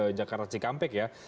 di jakarta cikampek ya